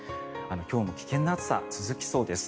今日も危険な暑さが続きそうです。